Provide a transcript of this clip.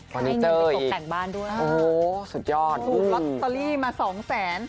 คอนิเจอร์อีกโหสุดยอดอุ้มล็อตเตอรี่มาสองแสน